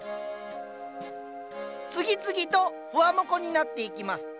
次々とふわもこになっていきます。